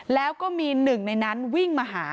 แล้วก็มีหนึ่งในนั้นวิ่งมาหา